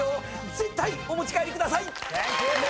絶対お持ち帰りください！